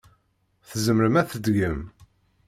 Tzemrem ad t-tgem.